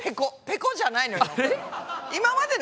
ぺこじゃないのよ。